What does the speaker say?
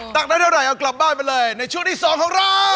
ตักนักยากร่ายเอากลับบ้านไปเลยในชุดที่สองของเรา